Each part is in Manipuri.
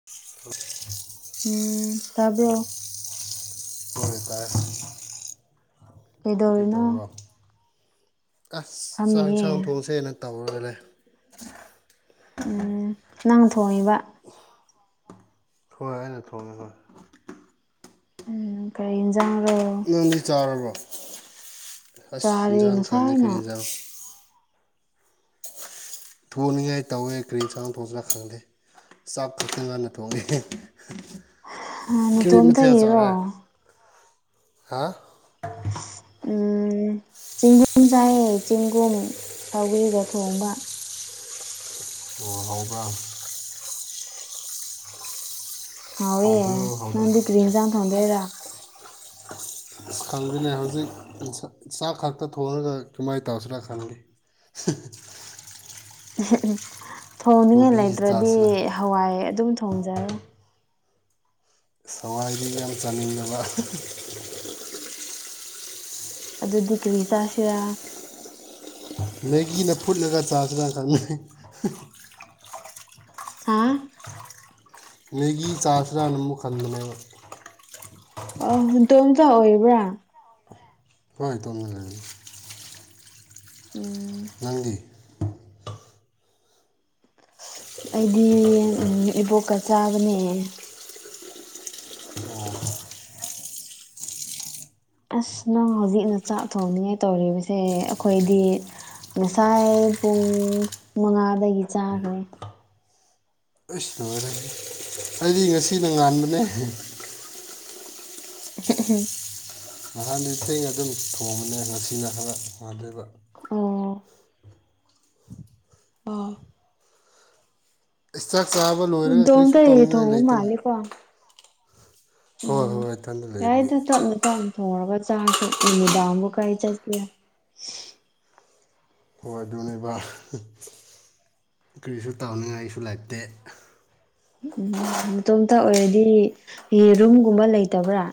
[unintelligible] ꯎꯝ ꯇꯥꯕ꯭ꯔꯣ ꯍꯣꯏ ꯍꯣꯏ ꯇꯥꯏꯌꯦ ꯀꯩꯗꯧꯔꯤꯅꯣ ꯑꯁ ꯆꯥꯛ ꯍꯤꯟꯁꯥꯡ ꯐꯝꯃꯤꯌꯦ ꯊꯣꯡꯁꯦꯅ ꯇꯧꯔꯒꯥ ꯂꯩ ꯎꯝ ꯅꯪ ꯊꯣꯡꯉꯤꯕ ꯍꯣꯏ ꯑꯩꯅ ꯊꯣꯡꯉꯤꯕꯥ ꯎꯝ ꯀꯔꯤ ꯍꯤꯡꯖꯥꯡꯔꯣ ꯅꯪꯗꯤ ꯆꯥꯔꯕꯣ ꯑꯁ ꯆꯥꯔꯦ ꯍꯤꯟꯖꯥꯡ ꯈꯪꯗꯦ ꯀꯔꯤ ꯉꯁꯥꯏꯅ ꯍꯤꯟꯖꯥꯡ ꯊꯣꯛꯅꯤꯡꯉꯥꯏ ꯇꯧꯋꯦ ꯀꯔꯤ ꯏꯟꯖꯥꯡ ꯊꯣꯡꯁꯤꯔ ꯈꯪꯗꯦ ꯆꯥꯛ ꯈꯛꯇꯪ ꯉꯟꯅ ꯊꯣꯡꯉꯦ ꯀꯔꯤ ꯃꯊꯦꯜ ꯆꯥꯔꯦ ꯅꯇꯣꯝꯇꯒꯤꯔꯣ ꯍꯥ ꯎꯝ ꯆꯦꯡꯒꯨꯝ ꯆꯥꯏꯌꯦ ꯆꯦꯡꯒꯨꯝ ꯁꯧꯒ꯭ꯔꯤꯒ ꯊꯣꯡꯕ ꯑꯣ ꯍꯥꯎꯕ꯭ꯔꯥ ꯍꯥꯎꯋꯦ ꯍꯥꯎꯕ꯭ꯔꯣ ꯍꯥꯎꯕ꯭ꯔꯣ ꯅꯪꯗꯤ ꯑꯁ ꯀ꯭ꯔꯤ ꯍꯤꯟꯖꯥꯡ ꯊꯣꯡꯗꯨꯏꯔꯥ ꯑꯁ ꯈꯪꯗꯦꯅꯦ ꯍꯧꯖꯤꯛ ꯆꯥ ꯆꯥꯛ ꯈꯛꯇ ꯊꯣꯡꯔꯥꯒ ꯀꯃꯥꯏ ꯇꯧꯁꯤꯔꯥ ꯈꯪꯗꯦ [unintelligible] ꯑꯍ ꯍ ꯊꯣꯡꯅꯤꯡꯉꯥꯏ ꯀꯣꯕꯤ ꯂꯩꯇ꯭ꯔꯗꯤ ꯆꯥꯁꯤꯔ ꯍꯋꯥꯏ ꯑꯗꯨꯝ ꯊꯣꯡꯖꯔꯣ ꯑꯁ ꯍꯋꯥꯏꯗꯤ ꯌꯥꯝ ꯆꯥꯅꯤꯡꯗꯕ ꯑꯗꯨꯗꯤ ꯀꯔꯤ ꯆꯥꯁꯤꯔꯥ ꯃꯦꯒꯤꯅ ꯐꯨꯠꯂꯒ ꯆꯥꯁꯤꯔ ꯈꯜꯕꯅꯦ ꯍꯥꯥ ꯃꯦꯒꯤ ꯆꯥꯁꯤꯔꯅ ꯃꯨꯛ ꯈꯟꯕꯅꯦꯕ ꯑꯧ ꯗꯣꯝꯇ ꯑꯣꯏꯕ꯭ꯔꯥ ꯍꯣꯏ ꯢꯇꯣꯝꯗ ꯂꯩꯌꯦ ꯎꯝ ꯅꯪꯗꯤ ꯑꯩꯗꯤ ꯎꯝ ꯏꯕꯣꯛꯀ ꯆꯥꯕꯅꯦ ꯑꯣ ꯑꯁ ꯅꯪ ꯍꯧꯖꯤꯛꯅ ꯆꯥꯛ ꯊꯣꯡꯅꯤꯡꯉꯥꯏ ꯇꯧꯔꯤꯕꯁꯦ ꯑꯩꯈꯣꯏꯗꯤ ꯉꯁꯥꯏ ꯄꯨꯡ ꯃꯉꯥꯗꯒꯤ ꯆꯥꯈ꯭ꯔꯦ ꯏꯁ ꯂꯣꯏꯔꯦꯍꯦ ꯑꯩꯗꯤ ꯉꯁꯤꯅ ꯉꯥꯟꯕꯅꯦ [unintelligible] ꯅꯍꯥꯟꯗꯤ ꯊꯦꯡꯅ ꯑꯗꯨꯝ ꯊꯣꯡꯕꯅꯦ ꯉꯁꯤꯅ ꯈꯔ ꯋꯥꯗꯦꯕ ꯑꯣ ꯑꯥ ꯆꯥꯛ ꯆꯥꯕ ꯂꯣꯏꯔꯦ ꯀꯔꯤꯁꯨ ꯏꯇꯣꯝꯇꯒꯤ ꯇꯧꯅꯤꯡꯉꯥꯏ ꯊꯣꯡꯕ ꯂꯩꯇꯦꯅꯦ ꯃꯥꯜꯂꯦꯀꯣ ꯎꯝ ꯍꯣꯏ ꯏꯊꯟꯗ ꯂꯩꯕꯒꯤ ꯌꯥꯔꯦꯗ ꯇꯞꯅ ꯇꯝ ꯊꯣꯡꯔꯒ ꯆꯥꯔꯁꯨ ꯅꯨꯃꯤꯗꯥꯡꯗꯣ ꯀꯔꯥꯏ ꯆꯠꯒꯅꯤ ꯍꯣꯏ ꯑꯗꯨꯅꯦꯕ ꯀꯔꯤꯁꯨ ꯇꯧꯅꯤꯡꯉꯥꯏꯁꯨ ꯂꯩꯇꯦ ꯎꯝ ꯅꯇꯣꯝꯇ ꯑꯣꯏꯔꯗꯤ ꯌꯦꯔꯨꯝꯒꯨꯝꯕ ꯂꯩꯇꯕ꯭ꯔꯥ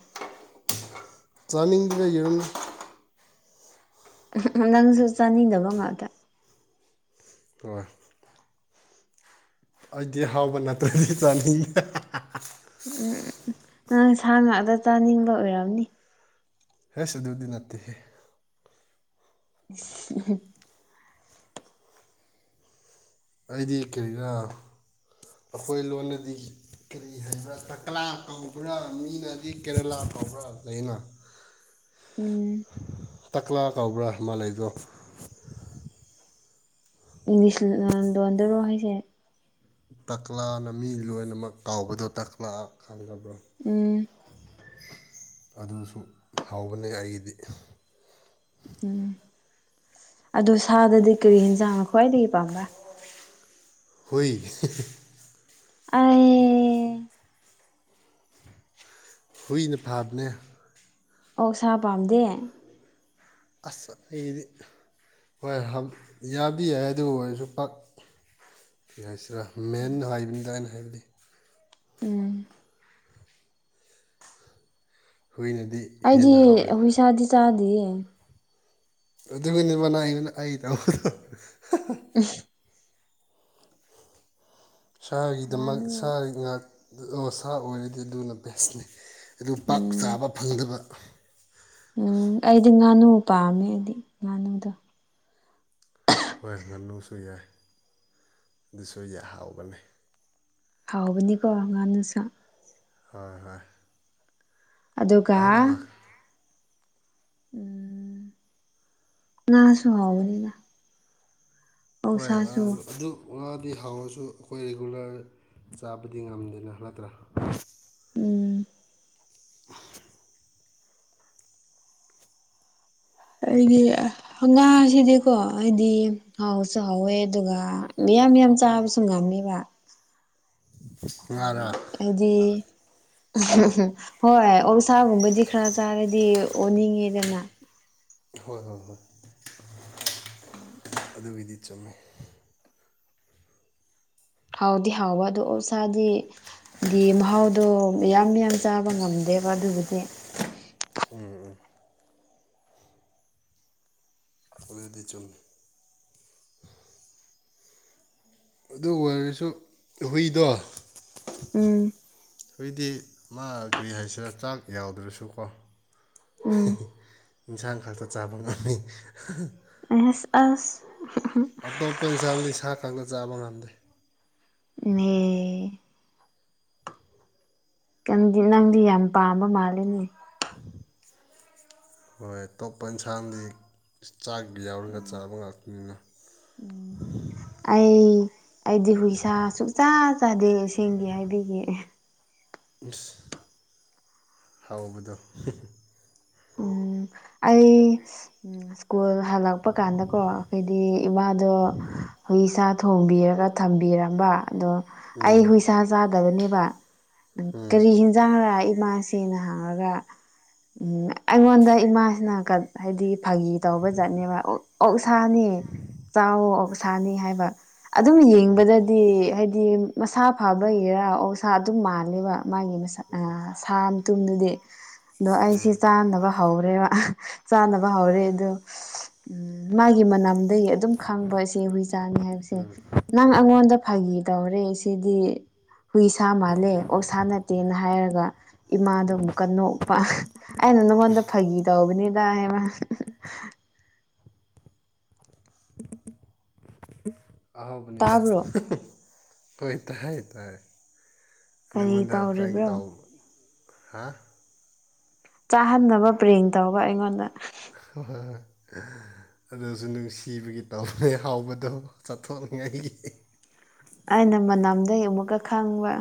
ꯆꯥꯅꯤꯡꯗ꯭ꯔꯦ ꯌꯦꯔꯨꯝ ꯅꯪꯁꯨ ꯆꯥꯅꯤꯡꯗꯕ ꯉꯥꯛꯇ ꯍꯣꯢ ꯑꯩꯗꯤ ꯍꯥꯎꯕ ꯅꯠꯇ꯭ꯔꯗꯤ ꯆꯥꯅꯤꯡꯗꯦ ꯅꯪ ꯁꯥ ꯉꯥꯛꯇ ꯆꯥꯅꯤꯡꯕ ꯑꯣꯏꯔꯝꯅꯤ ꯍꯦꯁ ꯑꯗꯨꯗꯤ ꯅꯠꯇꯦꯍꯦ [inaudible] ꯑꯩꯗꯤ ꯀꯔꯤꯔ ꯑꯩꯈꯣꯏ ꯂꯣꯜꯗꯗꯤ ꯀꯔꯤ ꯍꯥꯏꯕ꯭ꯔꯥ ꯇꯀꯂꯥ ꯀꯧꯕ꯭ꯔꯥ ꯃꯤꯅꯗꯤ ꯀꯦꯔꯦꯂꯥ ꯀꯧꯕ꯭ꯔꯥ ꯂꯩꯑꯦꯅ [inaudible] ꯎꯝ ꯇꯛꯂꯥ ꯀꯧꯕ꯭ꯔꯥ ꯑꯃꯥ ꯂꯩꯕꯗꯣ ꯏꯪꯂꯤꯁ ꯂꯣꯟꯗꯔꯣ ꯍꯥꯏꯁꯦ ꯇꯀꯂꯥꯅ ꯃꯤ ꯂꯣꯏꯅꯃꯛ ꯀꯥꯎꯕꯗꯣ ꯇꯥꯀꯂꯥ ꯈꯪꯗꯕ꯭ꯔꯣ ꯎꯝ ꯑꯗꯨꯁꯨ ꯍꯥꯎꯕꯅꯦ ꯑꯩꯒꯤꯗꯤ ꯎꯝ ꯑꯗꯨ ꯁꯥꯗꯗꯤ ꯀꯔꯤ ꯌꯦꯟꯖꯥꯡꯅ ꯈ꯭ꯋꯥꯏꯗꯒꯤ ꯄꯥꯝꯕ꯭ꯔꯥ ꯍꯨꯏ ꯑꯩꯌ ꯍꯨꯏꯅ ꯐꯥꯕꯅꯦ ꯑꯣꯛꯁꯥ ꯄꯥꯝꯗꯦ ꯑꯁ ꯑꯩꯗꯤ ꯍꯣꯏ ꯍꯝ ꯌꯥꯕꯗꯤ ꯌꯥꯏ ꯑꯗꯨ ꯑꯣꯏꯔꯁꯨ ꯄꯥꯛ ꯀ꯭ꯔꯤ ꯍꯥꯏꯁꯤꯔꯥ ꯃꯦꯟ ꯍꯥꯏꯕꯅꯤꯗ ꯑꯩꯅ ꯍꯥꯏꯕꯗꯤ ꯎꯝ ꯍꯨꯏꯅꯗꯤ ꯑꯩꯗꯤ ꯍꯦꯟꯅ ꯍꯥꯎꯋꯦꯗ ꯍꯨꯏꯁꯥꯗꯤ ꯆꯥꯗꯤꯌꯦ ꯑꯗꯨꯒꯤꯅꯤ [unintelligible] ꯃꯅꯥꯏꯅ ꯑꯩꯒꯤꯗꯃꯛ ꯍꯥ ꯍꯥ [unintelligible] ꯁꯥꯒꯤꯗꯃꯛ ꯁꯥ ꯉꯥꯅꯨ ꯉꯥꯛ ꯁꯥ ꯑꯣꯏꯔꯗꯤ ꯑꯗꯨꯅ ꯕꯦꯁꯅꯤ ꯑꯗꯨ ꯄꯥꯛ ꯎꯝ ꯆꯥꯕ ꯐꯪꯗꯕ ꯎꯝ ꯑꯩꯗꯤ ꯉꯥꯅꯨ ꯄꯥꯝꯃꯦ ꯑꯩꯗꯤ ꯉꯥꯅꯨꯗꯣ ꯍꯣꯏ ꯉꯥꯅꯨꯁꯨ ꯌꯥꯏ ꯑꯗꯨꯁꯨ ꯌꯥꯏ ꯍꯥꯎꯕꯅꯤ ꯍꯥꯎꯕꯅꯤꯀꯣ ꯉꯥꯅꯨꯁꯨ ꯍꯣꯏ ꯍꯣꯏ ꯑꯗꯨꯒ ꯑꯍꯥꯎꯕ ꯉꯥꯛ ꯎꯝ ꯉꯥꯁꯨ ꯍꯥꯎꯕꯅꯤꯗ ꯍꯣꯏ ꯉꯥꯁꯨ ꯑꯗꯨ ꯉꯥꯗꯤ ꯍꯥꯎꯔꯁꯨ ꯑꯩꯈꯣꯏ ꯔꯤꯒꯨꯂꯔ ꯆꯥꯕꯗꯤ ꯉꯝꯗꯦꯅ ꯅꯠꯇ꯭ꯔꯥ ꯎꯝ [inaudible] ꯑꯩꯗꯤ ꯑꯥ ꯍꯪꯉꯥꯁꯤꯗꯤꯀꯣ ꯍꯥꯢꯗꯤ ꯍꯥꯎꯁꯨ ꯍꯥꯎꯋꯦ ꯑꯗꯨꯒ ꯃꯤꯌꯥꯝ ꯃꯤꯌꯥꯝ ꯆꯥꯕꯁꯨ ꯉꯝꯃꯦꯕ ꯉꯥꯔꯥ ꯍꯥꯢꯗꯤ ꯍꯣꯏ ꯑꯣꯛꯁꯥꯒꯨꯝꯕꯗꯤ ꯈꯔ ꯆꯥꯔꯗꯤ ꯑꯣꯟꯅꯤꯡꯉꯦꯗꯅ ꯍꯣꯏ ꯍꯣꯏ ꯍꯣꯏ ꯎꯝ ꯑꯗꯨꯒꯤꯗꯤ ꯆꯨꯝꯃꯦ ꯍꯥꯎꯗꯤ ꯍꯥꯎꯕ ꯑꯗꯣ ꯑꯣꯁꯥꯗꯤ ꯗꯤ ꯃꯍꯥꯎꯗꯣ ꯃꯤꯌꯥꯝ ꯃꯤꯌꯥꯝ ꯆꯥꯕ ꯉꯝꯗꯦꯕ ꯑꯗꯨꯕꯨꯗꯤ ꯎꯝ ꯎꯝ ꯑꯗꯨꯗꯤ ꯆꯨꯝꯃꯤ ꯑꯗꯨ ꯑꯣꯏꯔꯁꯨ ꯍꯨꯏꯗꯣ ꯎꯝ ꯍꯨꯏꯗꯤ ꯃꯥ ꯀꯔꯤ ꯍꯥꯏꯁꯤꯔꯥ ꯆꯥꯛ ꯌꯥꯎꯗ꯭ꯔꯁꯨꯀꯣ ꯎꯝ ꯌꯦꯟꯁꯥꯡ ꯈꯥꯛꯇ ꯆꯥꯕ ꯉꯝꯃꯦ ꯍꯍ ꯑꯦꯁ ꯑꯁ ꯍꯝꯍꯝ ꯑꯇꯣꯞꯄ ꯏꯟꯁꯥꯡꯗꯤ ꯁꯥ ꯈꯛꯅ ꯆꯥꯕ ꯉꯝꯗꯦ ꯎꯝꯅꯦ [unintelligible] ꯀꯟꯗꯤ ꯅꯪꯗꯤ ꯌꯥꯝ ꯄꯥꯝꯕ ꯃꯥꯜꯂꯦꯅꯦ [inaudible] ꯍꯣꯏ ꯑꯇꯣꯞꯄ ꯏꯟꯁꯥꯡꯗꯤ ꯆꯥꯛ ꯌꯥꯎꯔꯒ ꯆꯥꯕ ꯉꯥꯛꯇꯅꯤꯅ ꯎꯝ [inaudible] ꯑꯩ ꯑꯩꯗꯤ ꯍꯨꯏꯁꯥ ꯁꯨꯛꯆꯥꯥ ꯆꯥꯗꯦ ꯑꯁꯦꯡꯒꯤ ꯍꯥꯏꯕꯤꯒꯦ ꯏꯁ ꯍꯥꯎꯕꯗꯣ ꯎꯝ ꯑꯩ ꯎꯝ ꯁ꯭ꯀꯨꯜ ꯍꯜꯂꯛꯄ ꯀꯥꯟꯗꯀꯣ ꯈꯣꯏꯗꯤ ꯏꯃꯥꯅ ꯑꯗꯣ ꯍꯨꯏꯁꯥ ꯊꯣꯡꯕꯤꯔꯒ ꯊꯝꯕꯤꯔꯝꯕ ꯑꯗꯣ ꯑꯩ ꯍꯨꯏ ꯁꯥ ꯆꯥꯗꯕꯅꯦꯕ ꯅ ꯎꯝ ꯀꯔꯤ ꯍꯤꯟꯖꯥꯡꯔꯥ ꯏꯃꯥꯁꯤ ꯁꯤꯅ ꯍꯥꯡꯔꯒ ꯑꯝ ꯑꯩꯉꯣꯟꯗ ꯏꯃꯥꯁꯤꯅ ꯀ ꯍꯥꯏꯕꯗꯤ ꯐꯥꯒꯤ ꯇꯧꯕ ꯖꯥꯠꯅꯦꯕ ꯑꯣꯛꯁꯥꯅꯦ ꯆꯥꯎꯋꯣ ꯑꯣꯛꯁꯥꯥꯅꯦ ꯍꯥꯏꯕ ꯑꯗꯨꯝ ꯌꯦꯡꯕꯗꯗꯤ ꯍꯥꯏꯗꯤ ꯃꯁꯥ ꯐꯕꯒꯤꯔꯥ ꯑꯣꯁꯥ ꯑꯗꯨꯝ ꯃꯥꯜꯂꯦꯕ ꯃꯥꯒꯤ ꯃꯁꯥ ꯁꯥ ꯃꯇꯨꯝꯗꯨꯗꯤ ꯑꯗꯣ ꯑꯩꯁꯤ ꯆꯥ ꯕ ꯍꯧꯔꯦꯕ ꯆꯥꯅꯕ ꯍꯧꯔꯦ ꯑꯗꯨ ꯎꯝ ꯃꯥꯒꯤ ꯃꯅꯝꯗꯒꯤ ꯑꯗꯨꯝ ꯈꯪꯕ ꯁꯤ ꯍꯨꯏꯆꯥꯅꯤ ꯍꯥꯏꯕꯁꯦ ꯅꯪ ꯑꯩꯉꯣꯟꯗ ꯐꯥꯒꯤ ꯇꯧꯔꯦ ꯑꯁꯤꯗꯤ ꯍꯨꯏ ꯁꯥ ꯃꯥꯜꯂꯦ ꯑꯣꯛꯁꯥ ꯅꯠꯇꯦꯅ ꯍꯥꯏꯔꯒ ꯏꯃꯥꯗꯣ ꯑꯃꯨꯛꯀ ꯅꯣꯛꯄ ꯑꯩꯅ ꯅꯉꯣꯟ ꯗ ꯐꯥꯒꯤ ꯇꯧꯕꯅꯦꯗ ꯍꯥꯢ ꯃꯅꯥ ꯑꯍꯥꯎꯕꯅꯤꯗ ꯇꯥꯕ꯭ꯔꯣ ꯍꯣꯏ ꯇꯥꯏ ꯇꯥꯏ ꯀꯔꯤ ꯅꯪꯉꯣꯟꯗ ꯄ꯭ꯔꯦꯡ ꯇꯧꯔꯤꯕ꯭ꯔꯣ ꯇꯧ ꯍꯥ ꯆꯥꯍꯟꯅꯕ ꯄ꯭ꯔꯦꯡ ꯇꯧꯕ ꯑꯩꯉꯣꯟꯗ ꯍꯣꯏ ꯑꯗꯨꯁꯨ ꯅꯨꯡꯁꯤꯕꯒꯤ ꯇꯧꯕ ꯍꯥꯎꯕꯗꯣ ꯆꯥꯊꯣꯛꯅꯤꯉꯥꯏꯒꯤ ꯑꯩꯅ ꯃꯅꯝꯗꯒꯤ ꯑꯃꯨꯛꯀ ꯈꯪꯕ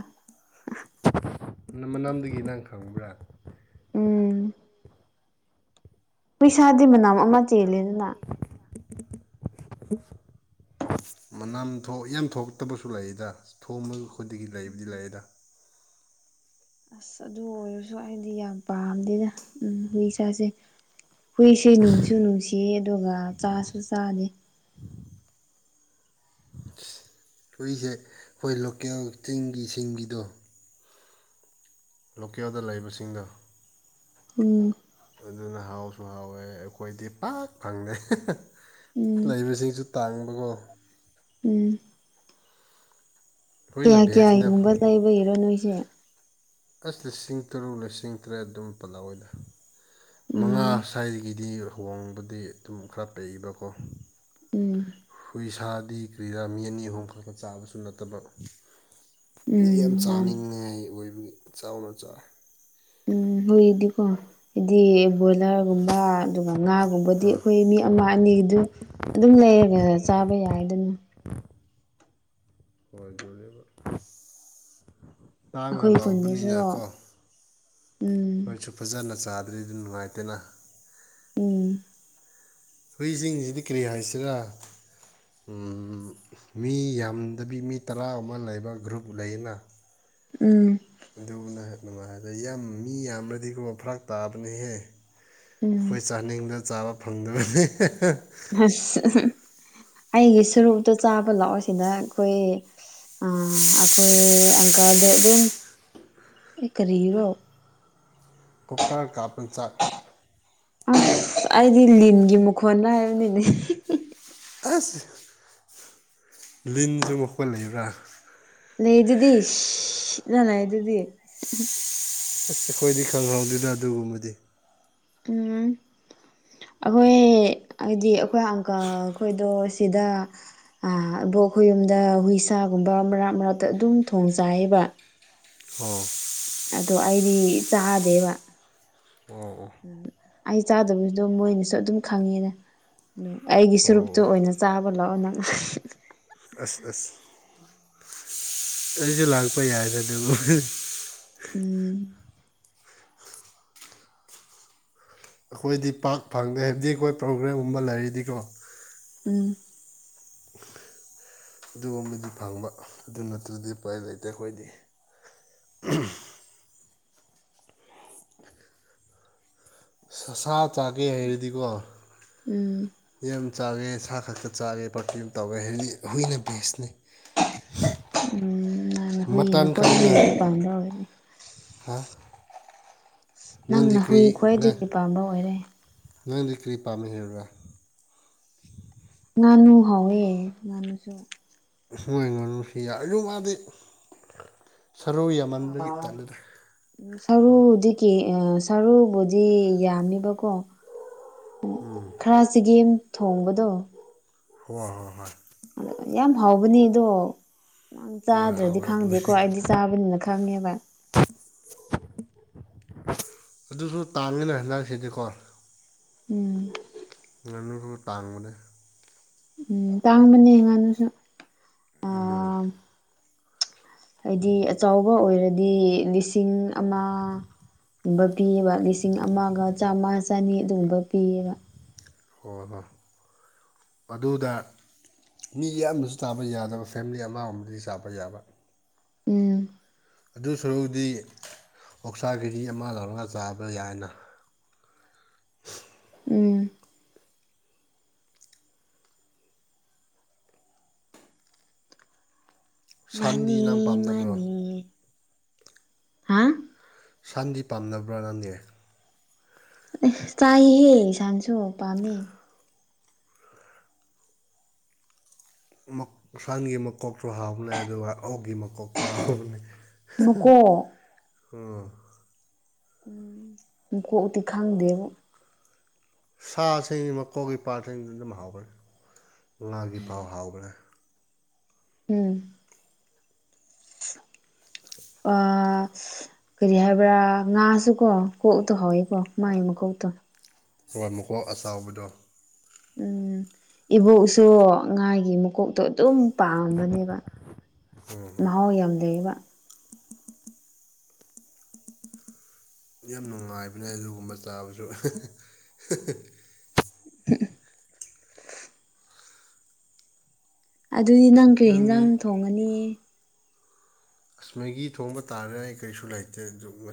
ꯅꯪ ꯃꯅꯝꯗꯒꯤ ꯅꯪ ꯈꯪꯕ꯭ꯔꯥ ꯎꯝ ꯍꯨꯢꯁꯥꯗꯤ ꯃꯅꯝ ꯑꯃ ꯆꯦꯜꯂꯦꯗꯅ [inaudible] ꯃꯅꯝ ꯊꯣꯛ ꯌꯥꯝ ꯊꯣꯛꯇꯕꯁꯨ ꯂꯩꯗ ꯊꯣꯛ ꯈꯨꯗꯤꯡꯒꯤ ꯂꯩꯕꯗꯤ ꯎꯝ ꯂꯩꯗ ꯑꯁ ꯑꯗꯨ ꯑꯣꯏꯔꯁꯨ ꯑꯩꯗꯤ ꯌꯥꯝ ꯄꯥꯝꯗꯦꯗ ꯎꯝ ꯍꯨꯏ ꯁꯥꯁꯦ ꯍꯨꯏꯁꯦ ꯅꯨꯡꯁꯨ ꯅꯨꯡꯁꯤꯌꯦ ꯑꯗꯨꯒ ꯆꯥꯁꯨ ꯆꯥꯗꯦ ꯍꯨꯏꯁꯦ ꯑꯩꯈꯣꯏ ꯂꯣꯀꯦꯜ ꯇꯤꯟꯒꯤ ꯁꯤꯡꯒꯤꯗꯣ ꯂꯣꯀꯦꯜꯗ ꯂꯩꯕꯁꯤꯡꯗꯣ ꯎꯝ ꯑꯗꯨꯅ ꯍꯥꯎꯁꯨ ꯍꯥꯎꯋꯦ ꯑꯩꯈꯣꯏꯗꯤ ꯄꯥꯛ ꯐꯪꯗꯦ ꯎꯝ ꯂꯩꯕꯁꯤꯡꯁꯨ ꯇꯥꯡꯕꯀꯣ ꯎꯝ ꯑꯩꯈꯣꯏꯅ ꯀꯌꯥ ꯚꯦꯖꯅ ꯀꯌꯥꯒꯨꯝꯕ ꯂꯩꯕꯩꯔ ꯅꯣꯏꯁꯦ ꯑꯁ ꯂꯤꯁꯤꯡ ꯇꯔꯨꯛ ꯂꯤꯁꯤꯡ ꯇꯔꯦꯠ ꯑꯗꯨꯝ ꯄꯜꯂꯛꯑꯣꯏꯗ ꯃꯉꯥ ꯎꯝ ꯊꯥꯏꯒꯤꯗꯤ ꯍꯣꯡꯕꯗꯤ ꯑꯗꯨꯝ ꯈꯔ ꯂꯩꯕꯀꯣ ꯎꯝ ꯏꯁꯥꯗꯤ ꯀꯔꯤꯔꯥ ꯃꯤ ꯑꯅꯤ ꯑꯍꯨꯝ ꯈꯛꯇ ꯆꯥꯕꯁꯨ ꯅꯠꯇꯕ ꯍꯨꯢ ꯌꯥꯝ ꯎꯝ ꯃꯥꯅꯤ ꯆꯥꯅꯤꯡꯉꯥꯏ ꯑꯣꯏꯕꯒꯤ ꯆꯥꯎꯔ ꯆꯥ ꯎꯝ ꯍꯨꯏꯗꯤꯀꯣ ꯑꯩꯗꯤ ꯕꯣꯏꯂꯔꯒꯨꯝꯕ ꯑꯗꯨꯒ ꯉꯥꯒꯨꯝꯕꯗꯤ ꯑꯥ ꯑꯩꯈꯣꯏ ꯃꯤ ꯑꯃ ꯑꯅꯤꯗꯨ ꯑꯗꯨꯝ ꯂꯩꯔꯒ ꯆꯥꯕ ꯌꯥꯏꯗꯅ ꯍꯣꯏ ꯕꯣꯏꯂ꯭ꯔꯕꯨ ꯑꯁ [unintelligible] [unintelligible] ꯇꯥꯡꯅ ꯑꯩꯈꯣꯏ ꯈꯨꯟꯗꯁꯨ ꯂꯧꯕꯅꯤꯅꯀꯣ ꯎꯝ ꯑꯩꯈꯣꯏꯁꯨ ꯐꯖꯅ ꯆꯥꯗ꯭ꯔꯤꯗꯤ ꯅꯨꯡꯉꯥꯏꯇꯦꯅ ꯎꯝ ꯍꯨꯏꯁꯤꯡꯁꯤꯗꯤ ꯀꯔꯤ ꯍꯥꯏꯁꯤꯔ ꯃꯤ ꯌꯥꯝꯗꯕꯤ ꯃꯤ ꯇꯔꯥꯒꯨꯝꯕ ꯂꯩꯕ ꯒ꯭ꯔꯨꯞ ꯂꯩꯅ ꯎꯝ ꯑꯗꯨꯅ ꯅꯨꯡꯉꯥꯏꯌꯦꯕ ꯌꯥꯝ ꯃꯤ ꯌꯥꯝꯃꯗꯤꯀꯣ ꯐꯔꯥꯛ ꯇꯥꯕꯅꯦꯍꯦ ꯎꯝ ꯑꯩꯈꯣꯏ ꯆꯥꯅꯤꯡꯅ ꯆꯥꯕ ꯐꯪꯗꯕꯅꯤ ꯑꯁ ꯑꯩꯒꯤ ꯁꯔꯨꯛꯇ ꯆꯥꯕ ꯂꯥꯛꯑꯣ ꯁꯤꯗ ꯑꯩꯈꯣꯏ ꯑꯥ ꯑꯩꯈꯣꯏ ꯑꯪꯀꯜꯗꯣ ꯑꯗꯨꯝ ꯀꯔꯤꯔꯣ [unintelligible] ꯑꯁ ꯑꯩꯗꯤ ꯂꯤꯟꯒꯤ ꯃꯈꯣꯟꯅ ꯍꯥꯏꯕꯅꯤꯅꯦ ꯑꯁ ꯂꯤꯟꯁꯨ ꯃꯈꯣꯜ ꯂꯩꯕ꯭ꯔꯥ ꯂꯩꯗꯨꯗꯤ ꯁꯤꯁꯁꯁ ꯅ ꯂꯩꯗꯨꯗꯤ ꯑꯁ ꯑꯩꯈꯣꯏꯗꯤ ꯈꯪꯍꯧꯗꯦꯗ ꯑꯗꯨꯒꯨꯝꯕꯗꯤ ꯎꯝ ꯑꯩꯈꯣꯏ ꯍꯥꯏꯗꯤ ꯑꯩꯈꯣꯏ ꯑꯪꯀꯜ ꯈꯣꯏꯗꯣ ꯁꯤꯗ ꯑꯥ ꯑꯕꯣꯛ ꯍꯣꯏ ꯌꯨꯝꯗ ꯍꯨꯏꯁꯥꯒꯨꯝꯕ ꯃꯔꯥꯛ ꯃꯔꯥꯛꯇ ꯑꯗꯨꯝ ꯊꯣꯡꯖꯩꯌꯦꯕ ꯑꯣ ꯑꯗꯣ ꯑꯩꯗꯤ ꯆꯥꯗꯦꯕ ꯑꯣ ꯑꯣ ꯑꯩ ꯆꯥꯗꯕꯗꯣ ꯃꯣꯏꯅꯁꯨ ꯑꯗꯨꯝ ꯈꯪꯉꯦꯅ ꯎꯝ ꯑꯩꯒꯤ ꯁꯨꯔꯨꯛꯇꯣ ꯑꯣ ꯑꯣꯏꯅ ꯆꯥꯕ ꯂꯥꯛꯑꯣ ꯅꯪ ꯑꯁ ꯑꯁ ꯑꯩꯁꯨ ꯂꯥꯛꯄ ꯌꯥꯏꯗ ꯑꯗꯨꯕꯨ ꯎꯝ ꯑꯩꯈꯣꯏꯗꯤ ꯄꯥꯛ ꯐꯪꯗꯦ ꯍꯥꯏꯕꯗꯤ ꯑꯩꯈꯣꯏ ꯄ꯭ꯔꯣꯒ꯭ꯔꯥꯝꯒꯨꯝꯕ ꯂꯩꯔꯗꯤꯀꯣ ꯎꯝ ꯑꯗꯨꯒꯨꯝꯕꯗꯤ ꯐꯪꯕ ꯑꯗꯨ ꯅꯠꯇ꯭ꯔꯗꯤ ꯎꯄꯥꯏ ꯂꯩꯇꯦ ꯑꯩꯈꯣꯏꯗꯤ ꯁꯥ ꯆꯥꯒꯦ ꯍꯥꯏꯔꯗꯤꯀꯣ ꯎꯝ ꯌꯥꯝ ꯆꯥꯒꯦ ꯁꯥ ꯈꯛꯇ ꯆꯥꯒꯦ ꯄ꯭ꯔꯐꯤꯌꯨꯝ ꯇꯧꯋꯦ ꯍꯥꯏꯔꯗꯤ ꯍꯨꯏꯅ ꯕꯦꯁꯅꯤ [inaudible] ꯈꯪꯅ [unintelligible] ꯄꯥꯝꯗ ꯑꯣꯏꯔꯅꯤ ꯍꯥ ꯅꯪꯗꯤ ꯅꯪꯅ ꯍꯨꯏ ꯈ꯭ꯋꯥꯏꯗꯒꯤ ꯄꯥꯝꯕ ꯑꯣꯏꯔꯦ ꯅꯣꯢꯗꯤ ꯀꯔꯤ ꯄꯥꯝꯃꯦ ꯍꯥꯏꯕ꯭ꯔꯥ ꯉꯥꯅꯨ ꯍꯧꯋꯦ ꯉꯥꯅꯨꯁꯨ ꯁꯨꯋꯥꯢ ꯉꯥꯅꯨꯁꯤ ꯌꯥ ꯑꯁꯨ ꯃꯥꯗꯤ ꯁꯔꯨ ꯌꯥꯝꯃꯟꯕꯒꯤ ꯇꯜꯂꯦꯗ ꯎꯝ ꯁꯔꯨꯗꯒꯤ ꯑ ꯁꯔꯨꯕꯨꯗꯤ ꯌꯥꯝꯃꯤꯕꯀꯣ ꯎꯝ ꯈꯔ ꯆꯒꯦꯝ ꯊꯣꯡꯕꯗꯣ ꯍꯣꯏ ꯑꯣꯢ ꯍꯣꯏ ꯍꯣꯏ ꯑꯗ ꯌꯥꯝ ꯍꯥꯎꯕꯅꯦ ꯑꯗꯣ ꯅꯪ ꯍꯣꯏ ꯆꯥꯗ꯭ꯔꯗꯤ ꯍꯥꯎꯋꯦ ꯈꯪꯗꯦꯀꯣ ꯑꯗꯨꯒꯤꯗꯤ ꯑꯩꯗꯤ ꯆꯥꯕꯅꯤꯅ ꯈꯪꯉꯦꯕ ꯑꯗꯨꯁꯨ ꯇꯥꯡꯉꯦꯅꯦ ꯍꯟꯗꯛ ꯁꯤꯗꯤꯀꯣ ꯎꯝ ꯉꯅꯨꯁꯨ ꯇꯥꯥꯡꯕꯅꯦ ꯎꯝ ꯇꯥꯡꯕꯅꯦ ꯉꯥꯅꯨꯁꯨ ꯎꯝ [inaudible] ꯍꯥꯏꯗꯤ ꯑꯆꯧꯕ ꯑꯣꯏꯔꯗꯤ ꯂꯤꯁꯤꯡ ꯑꯃ ꯕꯨꯝꯕ ꯄꯤꯑꯦꯕ ꯂꯤꯁꯤꯡ ꯑꯃꯒ ꯆꯥꯝꯃꯥ ꯆꯅꯤ ꯑꯗꯨꯒꯨꯝꯕ ꯄꯤꯌꯦꯕ ꯍꯣꯏ ꯍꯣꯏ ꯑꯗꯨꯗ ꯃꯤ ꯌꯥꯝꯕꯁꯨ ꯇꯕ ꯌꯥꯗꯕ ꯐꯦꯝꯂꯤ ꯑꯃ ꯒꯨꯝꯕꯗꯤ ꯆꯥꯕ ꯌꯥꯕ ꯎꯝ ꯑꯗꯨ ꯁꯔꯨꯛꯄꯨꯗꯤ ꯑꯣꯛꯁꯥ ꯀꯦꯖꯤ ꯑꯃ ꯂꯧꯔꯒ ꯆꯥꯕ ꯌꯥꯏꯅ [inaudible] ꯎꯝ ꯁꯟꯗꯤ ꯃꯥꯅꯤ ꯅꯪ ꯄꯥꯝꯗꯕ꯭ꯔꯣ ꯃꯥꯅꯤ ꯍꯥ ꯁꯟꯗꯤ ꯄꯥꯝꯗꯕ꯭ꯔꯥ ꯅꯪꯗꯤ ꯆꯥꯏꯌꯦꯍꯦ ꯌꯦꯡꯁꯥꯟꯁꯨ ꯄꯥꯝꯃꯦ ꯑꯃꯛ ꯁꯟꯒꯤ ꯃꯀꯣꯛꯁꯨ ꯍꯥꯎꯕꯅꯦ ꯑꯗꯨꯒ ꯑꯣꯛꯒꯤ ꯃꯀꯣꯛꯁꯨ ꯍꯥꯎꯕꯅꯦ ꯃꯀꯣꯛ ꯎꯝ ꯎꯝ ꯃꯀꯣꯛꯇꯤ ꯈꯪꯗꯦꯕꯣ ꯁꯥꯁꯦ ꯃꯀꯣꯛꯒꯤ ꯄꯥꯠꯁꯤꯡ ꯑꯗꯨꯝ ꯍꯥꯎꯕꯅꯦ ꯉꯥꯒꯤ ꯄꯥꯎ ꯍꯥꯎꯕꯅꯦ ꯎꯝ ꯑꯥ ꯀꯔꯤ ꯍꯥꯏꯕ꯭ꯔꯥ ꯉꯥꯁꯨ ꯀꯣ ꯀꯣꯛꯇꯣ ꯍꯧꯋꯦꯀꯣ ꯃꯥꯏ ꯃ ꯀꯣꯛꯇꯣ ꯍꯣꯏ ꯃꯀꯣꯛ ꯑꯆꯧꯕꯗꯣ ꯎꯝ ꯏꯕꯣꯛꯁꯨ ꯉꯥꯒꯤ ꯃꯀꯣꯛ ꯇꯣ ꯑꯗꯨꯝ ꯄꯥꯝꯕꯅꯦꯕ ꯃꯍꯥꯎ ꯌꯥꯝ ꯂꯩꯌꯦꯕ ꯌꯥꯝ ꯅꯨꯡꯉꯥꯏꯕꯅꯦ ꯑꯗꯨꯒꯨꯝꯕ ꯆꯥꯕꯁꯨ [inaudible] ꯑꯗꯨꯗꯤ ꯅꯪ ꯀꯩ ꯍꯦꯟꯖꯥꯡ ꯅꯪꯗꯤ ꯊꯣꯡꯉꯅꯤ ꯑꯁ ꯃꯦꯒꯤ ꯊꯣꯡꯕ ꯇꯥꯔꯦ ꯑꯩ ꯀꯔꯤꯁꯨ ꯂꯩꯇꯦ ꯑꯗꯨ ꯉꯁꯤ